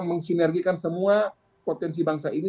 mensinergikan semua potensi bangsa ini